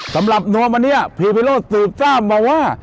สำหรับโน้มอันนี้พี่ไพโลดสูตรตามมาว่า